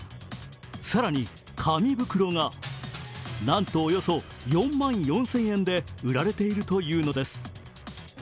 更に、紙袋がなんとおよそ４万４０００円で売られているというのです。